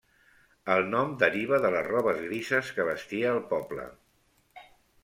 El nom deriva de les robes grises que vestia el poble.